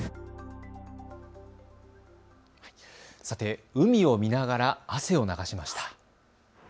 さて、海を見ながら汗を流しました。